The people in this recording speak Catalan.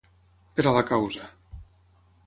Per a la causa.